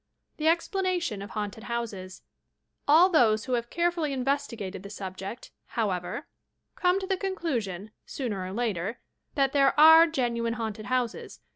THE EXPLANATION OP HAUNTED HOUSES All those who have carefully investigated the subject, however, come to the conclusion, sooner or later, that there ore genuine haunted houses.